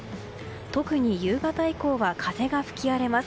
特に夕方以降は風が吹き荒れます。